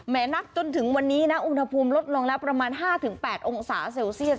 นับจนถึงวันนี้นะอุณหภูมิลดลงแล้วประมาณ๕๘องศาเซลเซียส